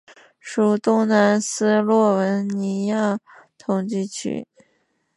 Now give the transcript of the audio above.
属东南斯洛文尼亚统计区。